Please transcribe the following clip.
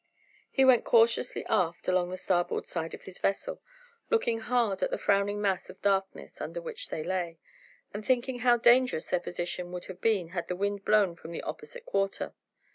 He went cautiously aft along the starboard side of his vessel, looking hard at the frowning mass of darkness under which they lay, and thinking how dangerous their position would have been had the wind blown from the opposite quarter.